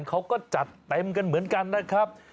เขาก็จัดเต็มกันเหมือนกันนะครับ